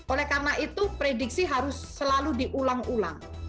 oleh karena itu prediksi harus selalu diulang ulang